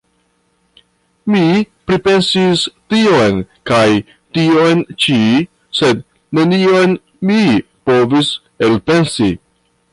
Mi pripensis tion kaj tion ĉi, sed nenion mi povis elpensi.